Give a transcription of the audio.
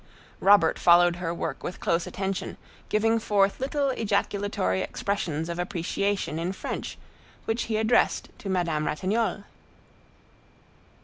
Robert followed her work with close attention, giving forth little ejaculatory expressions of appreciation in French, which he addressed to Madame Ratignolle.